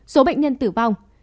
số bệnh nhân tử vong